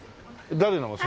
誰の娘？